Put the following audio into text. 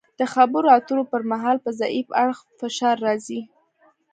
د خبرو اترو پر مهال په ضعیف اړخ فشار راځي